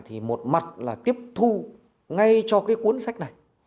thì một mặt là tiếp thu ngay cho cái cuốn sách này